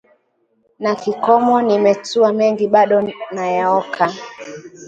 Na kikomo nimetua, mengi bado nayaoka